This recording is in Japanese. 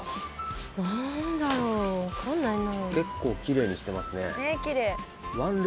「なんだろう？わかんないな」